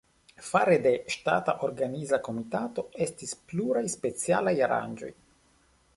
Fare de ŝtata organiza komitato estis pluraj specialaj aranĝoj.